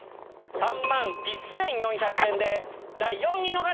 ３万１４００円で第４位の方！